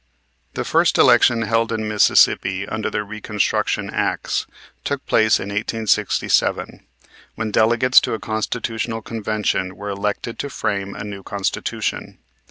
The first election held in Mississippi under the Reconstruction Acts took place in 1867, when delegates to a Constitutional Convention were elected to frame a new Constitution.